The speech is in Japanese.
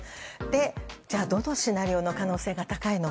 じゃあ、どのシナリオの可能性が高いのか。